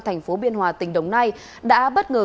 tp biên hòa tỉnh đồng nai đã bất ngờ